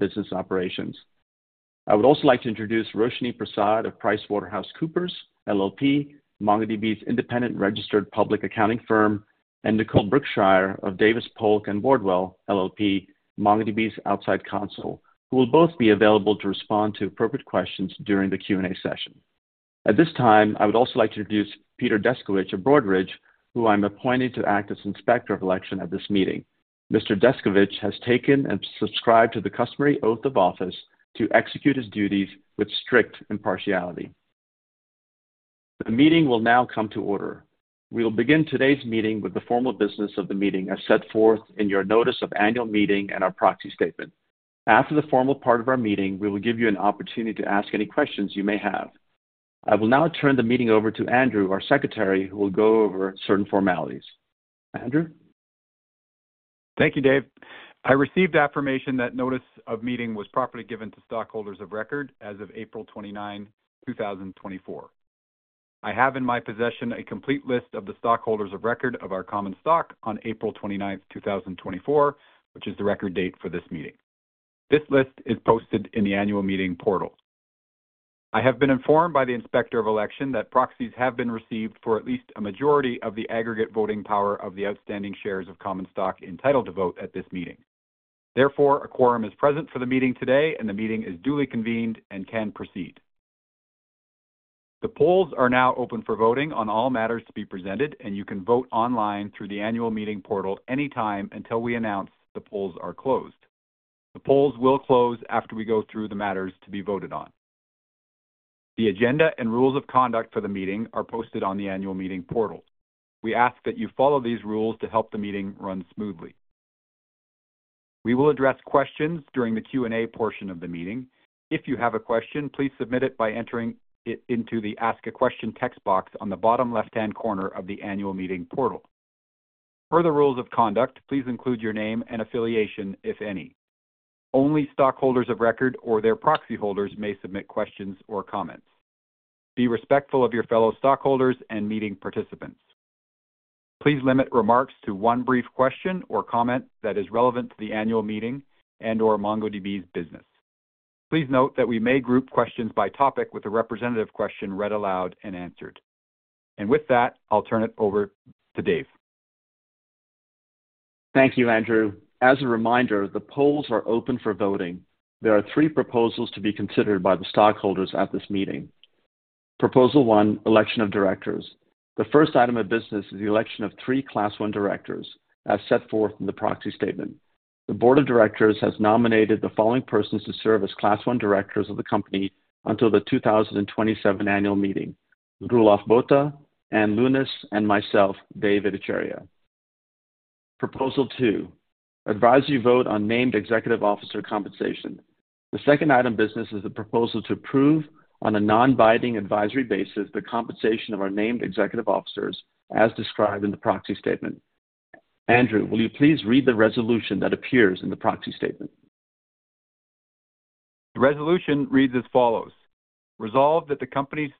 Business operations. I would also like to introduce Roshni Prasad of PricewaterhouseCoopers LLP, MongoDB's independent registered public accounting firm, and Nicole Brookshire of Davis Polk & Wardwell LLP, MongoDB's outside counsel, who will both be available to respond to appropriate questions during the Q&A session. At this time, I would also like to introduce Peter Descovich of Broadridge, who has been appointed to act as inspector of election at this meeting. Mr. Descovich has taken and subscribed to the customary oath of office to execute his duties with strict impartiality. The meeting will now come to order. We will begin today's meeting with the formal business of the meeting as set forth in your notice of annual meeting and our proxy statement. After the formal part of our meeting, we will give you an opportunity to ask any questions you may have. I will now turn the meeting over to Andrew, our secretary, who will go over certain formalities. Andrew? Thank you, Dev. I received affirmation that notice of meeting was properly given to stockholders of record as of April 29, 2024. I have in my possession a complete list of the stockholders of record of our common stock on April 29, 2024, which is the record date for this meeting. This list is posted in the annual meeting portal. I have been informed by the inspector of election that proxies have been received for at least a majority of the aggregate voting power of the outstanding shares of common stock entitled to vote at this meeting. Therefore, a quorum is present for the meeting today, and the meeting is duly convened and can proceed. The polls are now open for voting on all matters to be presented, and you can vote online through the annual meeting portal anytime until we announce the polls are closed. The polls will close after we go through the matters to be voted on. The agenda and rules of conduct for the meeting are posted on the annual meeting portal. We ask that you follow these rules to help the meeting run smoothly. We will address questions during the Q&A portion of the meeting. If you have a question, please submit it by entering it into the Ask a Question text box on the bottom left-hand corner of the annual meeting portal. Per the rules of conduct, please include your name and affiliation if any. Only stockholders of record or their proxy holders may submit questions or comments. Be respectful of your fellow stockholders and meeting participants. Please limit remarks to one brief question or comment that is relevant to the annual meeting and/or MongoDB's business. Please note that we may group questions by topic with a representative question read aloud and answered. With that, I'll turn it over to Dev. Thank you, Andrew. As a reminder, the polls are open for voting. There are three proposals to be considered by the stockholders at this meeting. Proposal one, election of directors. The first item of business is the election of three Class I directors, as set forth in the proxy statement. The board of directors has nominated the following persons to serve as Class I directors of the company until the 2027 annual meeting: Roelof Botha, Ann Lewnes, and myself, Dev Ittycheria. Proposal two, advisory vote on named executive officer compensation. The second item of business is the proposal to approve, on a non-binding advisory basis, the compensation of our named executive officers as described in the proxy statement. Andrew, will you please read the resolution that appears in the proxy statement? The resolution reads as follows: Resolve that the company's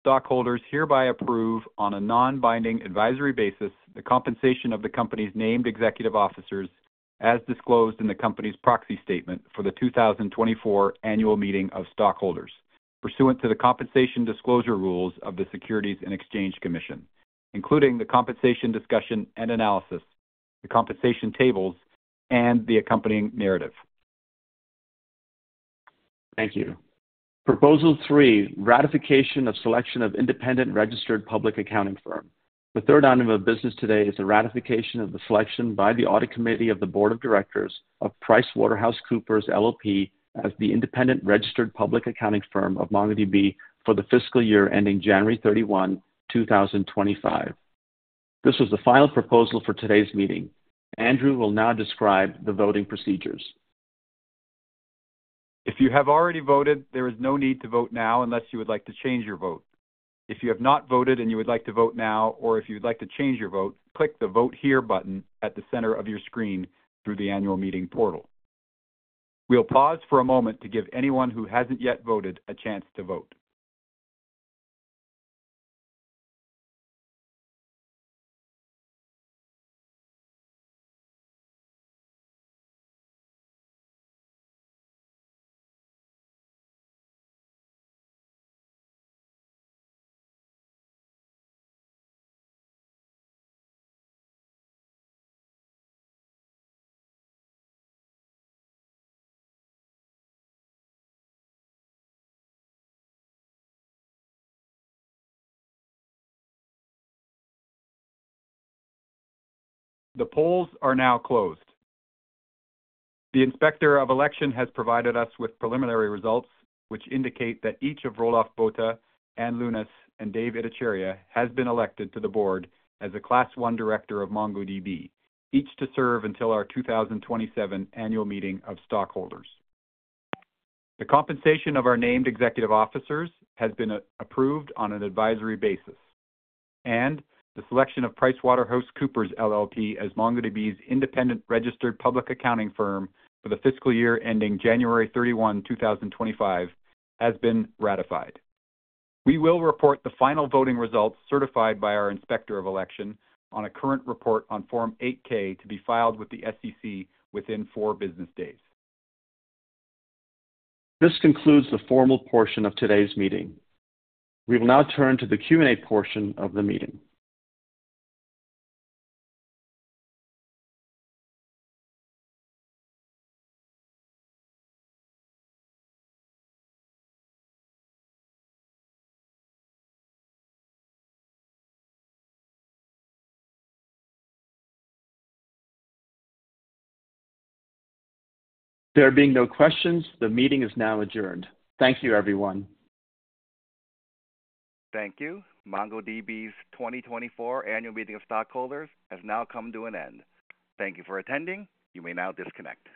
stockholders hereby approve, on a non-binding advisory basis, the compensation of the company's Named Executive Officers as disclosed in the company's Proxy Statement for the 2024 Annual Meeting of Stockholders, pursuant to the compensation disclosure rules of the Securities and Exchange Commission, including the Compensation Discussion and Analysis, the compensation tables, and the accompanying narrative. Thank you. Proposal three, ratification of selection of independent registered public accounting firm. The third item of business today is the ratification of the selection by the audit committee of the board of directors of PricewaterhouseCoopers LLP as the independent registered public accounting firm of MongoDB for the fiscal year ending January 31, 2025. This was the final proposal for today's meeting. Andrew will now describe the voting procedures. If you have already voted, there is no need to vote now unless you would like to change your vote. If you have not voted and you would like to vote now, or if you would like to change your vote, click the Vote Here button at the center of your screen through the annual meeting portal. We'll pause for a moment to give anyone who hasn't yet voted a chance to vote. The polls are now closed. The inspector of election has provided us with preliminary results, which indicate that each of Roelof Botha, Ann Lewnes, and Dev Ittycheria has been elected to the board as a Class I director of MongoDB, each to serve until our 2027 annual meeting of stockholders. The compensation of our named executive officers has been approved on an advisory basis, and the selection of PricewaterhouseCoopers LLP as MongoDB's independent registered public accounting firm for the fiscal year ending January 31, 2025, has been ratified. We will report the final voting results certified by our inspector of election on a current report on Form 8-K to be filed with the SEC within four business days. This concludes the formal portion of today's meeting. We will now turn to the Q&A portion of the meeting. There being no questions, the meeting is now adjourned. Thank you, everyone. Thank you. MongoDB's 2024 Annual Meeting of Stockholders has now come to an end. Thank you for attending. You may now disconnect.